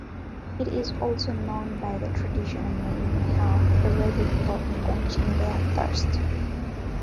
It is also known by the traditional named "Nihal", Arabic for "quenching their thirst".